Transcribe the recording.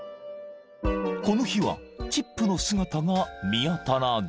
［この日はチップの姿が見当たらず］